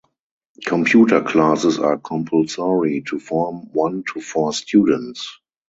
Computer classes are compulsory to form one to four students.